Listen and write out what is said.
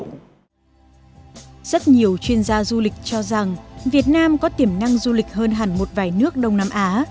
rất nhiều chuyên gia du lịch cho rằng việt nam có tiềm năng du lịch hơn hẳn một vài nước đông nam á